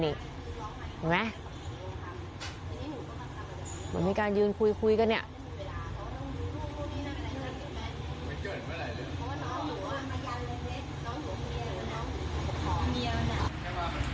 นี่ถูกไหมเหมือนมีการยืนคุยกันเนี่ย